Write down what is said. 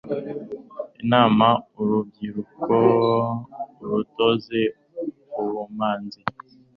inama urubyiruko, urutoze ubumanzi